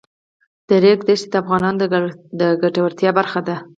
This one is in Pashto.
د ریګ دښتې د افغانانو د ګټورتیا برخه ده.